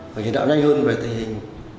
và chỉ đạo nhanh hơn về tình hình